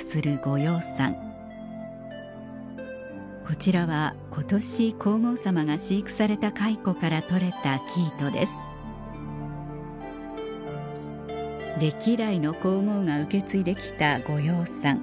こちらは今年皇后さまが飼育された蚕からとれた生糸です歴代の皇后が受け継いで来た御養蚕